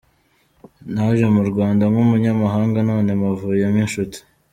Naje mu Rwanda nk’umunyamahanga none mpavuye nk’inshuti.